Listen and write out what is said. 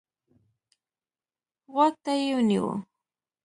غوږ ته يې ونيو.